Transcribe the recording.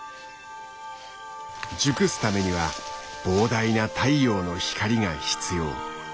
熟すためには膨大な太陽の光が必要。